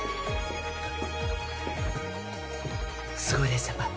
すごいです先輩！